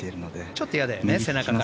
ちょっと嫌だよね。